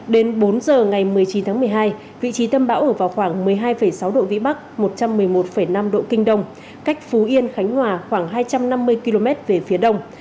đến bốn giờ ngày một mươi chín tháng một mươi hai vị trí tâm bão ở vào khoảng một mươi hai sáu độ vĩ bắc một trăm một mươi một năm độ kinh đông cách phú yên khánh hòa khoảng hai trăm năm mươi km về phía đông